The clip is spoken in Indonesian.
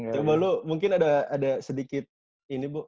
coba lu mungkin ada sedikit ini bu